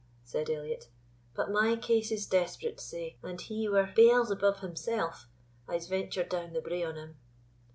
said Elliot; "but my case is desperate, sae, if he were Beelzebub himsell, I'se venture down the brae on him."